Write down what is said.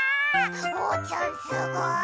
おうちゃんすごい！